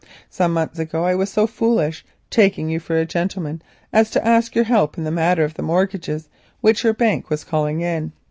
Some months ago I was so foolish as to ask your help in the matter of the mortgages which your bank was calling in.